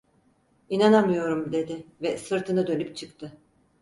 İnanamıyorum dedi ve sırtını dönüp çıktı.